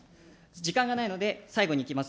時間がないので、最後にいきます。